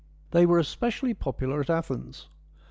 They were especially popular at Athens.